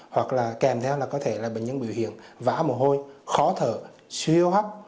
hoặc là kèm theo là có thể là bệnh nhân biểu hiện vã mồ hôi khó thở siêu hấp